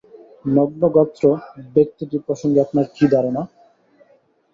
নগ্নগাত্র ব্যক্তিটি প্রসঙ্গে আপনার কী ধারণা?